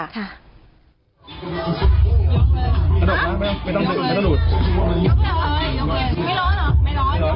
ไม่ต้องลุกไม่ต้องดูด